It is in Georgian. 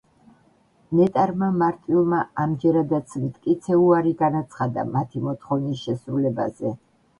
ნეტარმა მარტვილმა ამჯერადაც მტკიცე უარი განაცხადა მათი მოთხოვნის შესრულებაზე.